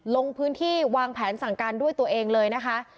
ลงพื้นที่วางแผนสั่งการด้วยตัวเองเลยนะคะ